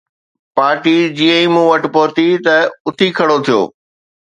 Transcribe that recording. party جيئن ئي مون وٽ پهتي ته اٿي کڙو ٿيو